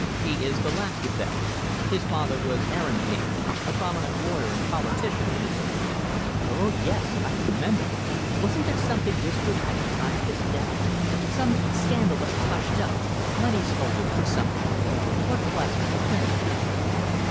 "He is the last of them. His father was Aaron King a prominent lawyer and politician in his state." "Oh, yes! I remember! Wasn't there something whispered at the time of his death some scandal that was hushed up money stolen or something? What was it? I can't think."